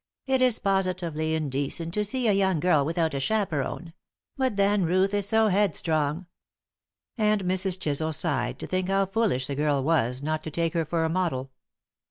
"It is positively indecent to see a young girl without a chaperon. But, then, Ruth is so headstrong." And Mrs. Chisel sighed to think how foolish the girl was not to take her for a model.